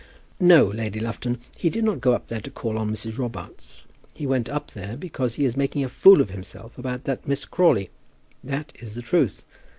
"No, Lady Lufton, he did not go up there to call on Mrs. Robarts. He went up there because he is making a fool of himself about that Miss Crawley. That is the truth.